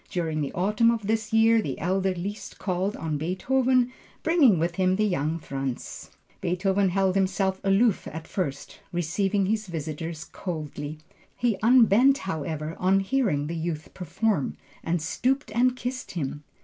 During the autumn of this year, the elder Liszt called on Beethoven, bringing with him the young Franz. Beethoven held himself aloof at first, receiving his visitors coldly. He unbent however, on hearing the youth perform, and stooped and kissed him.